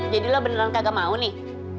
jadi lo beneran kagak mau nih